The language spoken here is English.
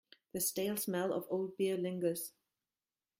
The stale smell of old beer lingers.